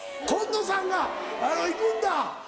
紺野さんが行くんだ！